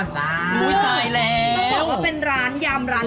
ที่เป็นร้านยำแรก